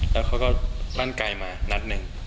และเขาก็ต้นกายมานัดหนึ่ง